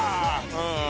うん。